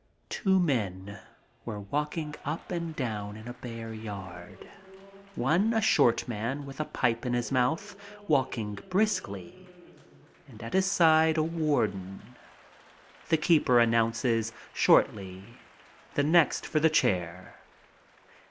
Two men were walking up and down in a bare yard, one a short man with a pipe in his mouth, walking briskly, and at his side a warden. The keeper announces, shortly, "The next for the chair."